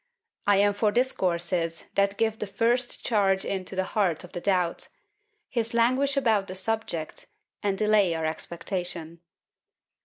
I am for discourses that give the first charge into the heart of the doubt; his languish about the subject, and delay our expectation.